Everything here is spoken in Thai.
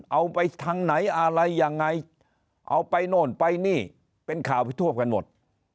เอาไปทางไหนอะไรยังไงเอาไปโน่นไปนี่เป็นข่าวไปทั่วกันหมด